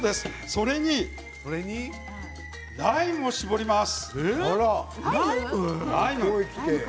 これにライムを搾ります。